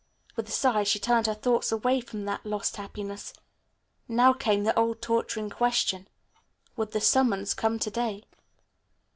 With a sigh she turned her thoughts away from that lost happiness. Now came the old torturing question, "Would the summons come to day?"